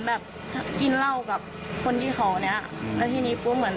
พี่สภัยลงมาดูว่าเกิดอะไรขึ้น